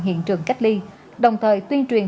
hiện trường cách ly đồng thời tuyên truyền